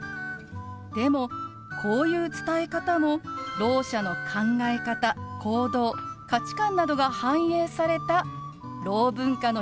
でもこういう伝え方もろう者の考え方・行動・価値観などが反映されたろう文化の一つなんですよ。